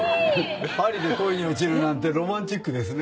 パリで恋に落ちるなんてロマンチックですね。